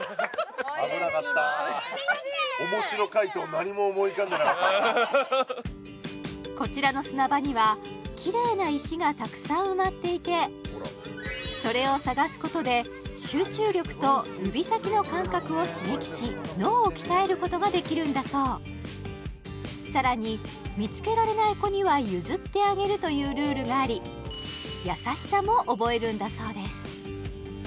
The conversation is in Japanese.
危なかったこちらの砂場にはキレイな石がたくさん埋まっていてそれを探すことで集中力と指先の感覚を刺激し脳を鍛えることができるんだそうさらに見つけられない子には譲ってあげるというルールがあり優しさも覚えるんだそうです